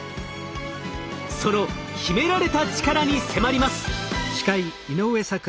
その秘められたチカラに迫ります。